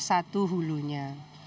ini salah satu hulunya